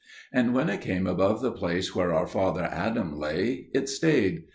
And when it came above the place where our father Adam lay, it stayed.